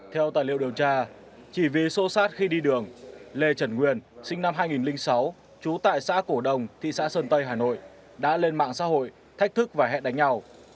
theo tài liệu điều tra chỉ vì xô xát khi đi đường lê trần nguyên sinh năm hai nghìn sáu trú tại xã cổ đồng thị xã sơn tây hà nội đã lên mạng xã hội thách thức và hẹn đánh nhau